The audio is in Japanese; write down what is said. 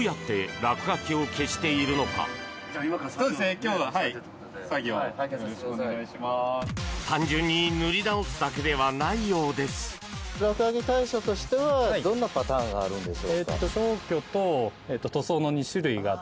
落書きの対処としてはどんなパターンがあるんですか？